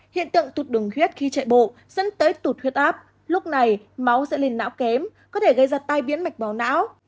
hiện tượng tụt đường khuyết khi chạy bộ dẫn tới tụt khuyết áp lúc này máu sẽ lên não kém có thể gây ra tai biến mạch báo não